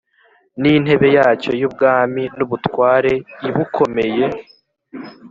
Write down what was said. N intebe yacyo y ubwami n ubutware i bukomeye